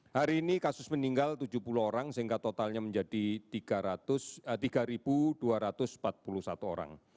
hari ini kasus meninggal tujuh puluh orang sehingga totalnya menjadi tiga dua ratus empat puluh satu orang